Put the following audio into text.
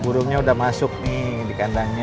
burungnya udah masuk nih di kandangnya